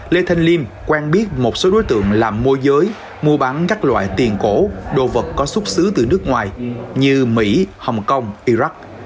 lê thanh liêm quen biết một số đối tượng làm môi giới mua bán các loại tiền cổ đồ vật có xuất xứ từ nước ngoài như mỹ hồng kông iraq